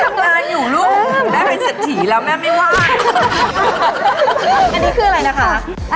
เป็นทำดาลอยู่ลูกแม่เป็นเศรษฐีแล้วแม่ไม่ว่าอันนี้คืออะไรนะคะ